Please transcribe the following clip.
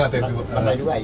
lantai dua ini